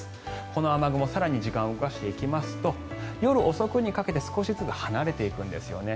この雨雲更に時間を動かしていきますと夜遅くにかけて少しずつ離れていくんですね。